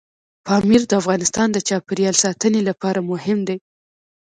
پامیر د افغانستان د چاپیریال ساتنې لپاره مهم دي.